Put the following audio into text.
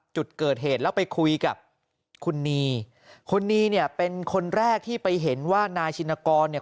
จุดเกิดเหตุแล้วไปคุยกับคุณนีคุณนีเนี่ยเป็นคนแรกที่ไปเห็นว่านายชินกรเนี่ย